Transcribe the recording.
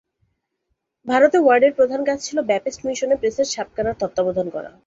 ভারতে ওয়ার্ডের প্রধান কাজ ছিল ব্যাপ্টিস্ট মিশন প্রেসের ছাপাখানার তত্ত্বাবধান করা।